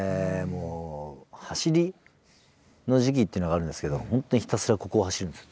もう走りの時期っていうのがあるんですけど本当にひたすらここを走るんです。